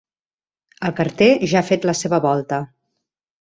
El carter ja ha fet la seva volta.